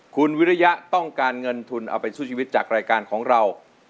คุณวิริยะต้องการเงินทุนเอาไปสู้ชีวิตจากรายการของเรา